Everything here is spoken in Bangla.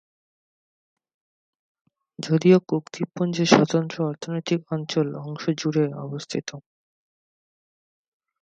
যদিও কুক দ্বীপপুঞ্জের স্বতন্ত্র অর্থনৈতিক অঞ্চল অংশ জুড়ে রবস্থিত।